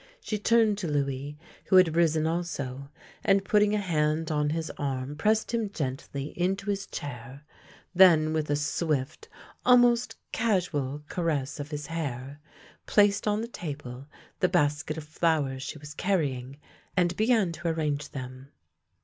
She turned to Louis, who had risen also, and putting a hand on his arm pressed him gently into his chair, then, with a swift, almost casual, caress of his hair, placed on the table the basket of flow ers she was carrying, and began to arrange them.